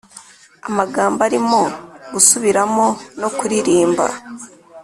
-; -amagambo arimo -gusubiramo no kuririmba